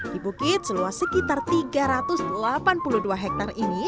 di bukit seluas sekitar tiga ratus delapan puluh dua hektare ini